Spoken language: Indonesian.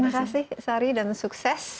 terima kasih sari dan sukses